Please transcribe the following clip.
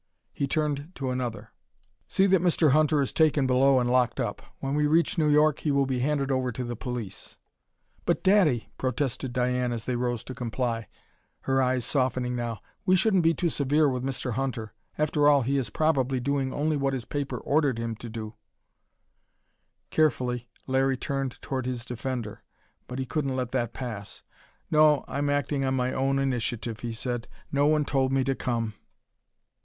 He turned to another. "See that Mr. Hunter is taken below and locked up. When we reach New York, he will be handed over to the police." "But daddy!" protested Diane, as they rose to comply, her eyes softening now. "We shouldn't be too severe with Mr. Hunter. After all, he is probably doing only what his paper ordered him to." Gratefully Larry turned toward his defender. But he couldn't let that pass. "No, I'm acting only on my own initiative," he said. "No one told me to come."